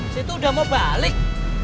si itu udah mau balik